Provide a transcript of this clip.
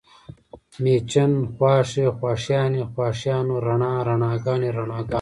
مېچن، خواښې، خواښیانې، خواښیانو، رڼا، رڼاګانې، رڼاګانو